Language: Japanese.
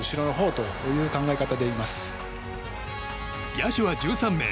野手は１３名。